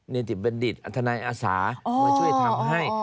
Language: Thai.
เนติเบนดิตสภาธนายอสามาช่วยทำให้